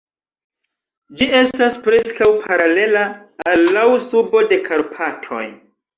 Ĝi estas preskaŭ paralela al laŭ subo de Karpatoj.